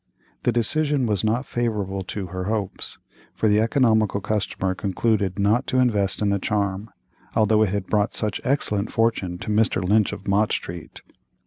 The decision was not favorable to her hopes; for the economical customer concluded not to invest in the charm, although it had brought such excellent fortune to Mr. Lynch of Mott Street.